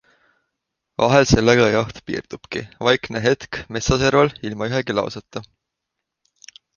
Vahel sellega jaht piirdubki - vaikne hetk metsaserval, ilma ühegi lasuta.